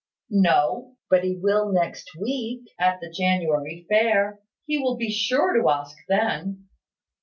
"No; but he will next week, at the January fair. He will be sure to ask then.